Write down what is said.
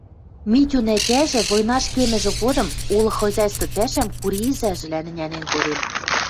Митюн ӓтяжӹ войнаш кемӹжӹ годым улы хозяйство пӓшӓм Кури ӹзӓжӹлӓн ӹнянен коден.